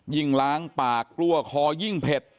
ล้างปากกลัวคอยิ่งเผ็ด